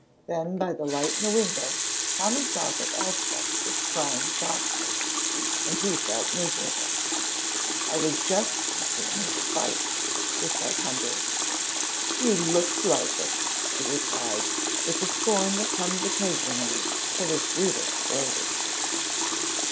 Then by the light in the window Tommy saw that Elspeth was crying softly, and he felt miserable. "I was just teaching her to fight," he said humbly. "You looked like it!" she replied, with the scorn that comes occasionally to the sweetest lady.